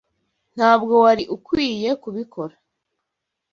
Ntabwo wari ukwiye kubikora.